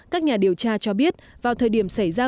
các nhà điều tra cho biết vào thời điểm xảy ra